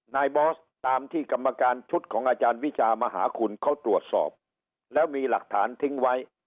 บอสตามที่กรรมการชุดของอาจารย์วิชามหาคุณเขาตรวจสอบแล้วมีหลักฐานทิ้งไว้